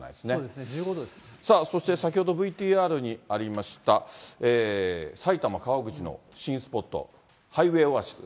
さあ、そして先ほどＶＴＲにもありました、埼玉・川口の新スポット、ハイウェイオアシス。